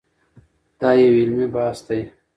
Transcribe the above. دا یو علمي بحث دی.